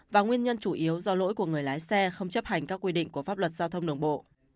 và nguyên nhân chủ yếu do lỗi của người lái xe không chấp hành các quy định của pháp luật giao thông đường bộ